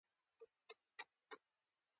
• د مسواک کول د غاښونو د ساتنې کلي ده.